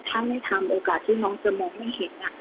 ถ้าไม่ทำโอกาสที่น้องจะมองไม่เห็น